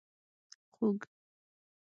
🐖 خوګ